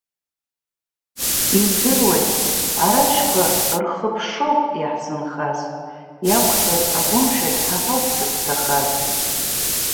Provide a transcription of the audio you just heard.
Издыруеит, арашьқәа рхыԥшоуп иаҳзынхаз, иақәтәаз агәымшәагь ҳа ҳауп дзыцәҭахаз.